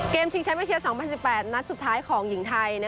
เกมชิงชัยเบอร์เชียร์๒๐๑๘นัดสุดท้ายของหญิงไทย